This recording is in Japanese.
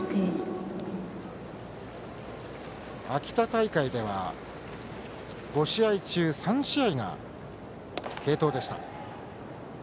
秋田大会では５試合中３試合が継投でした。